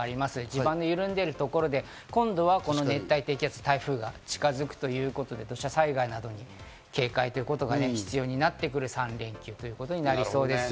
地盤も緩んでいるところで、今度はこの熱帯低気圧、台風が近づくということで、土砂災害などに警戒が必要になってくる３連休ということになりそうです。